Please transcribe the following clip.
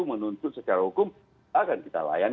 menuntut secara hukum akan kita layani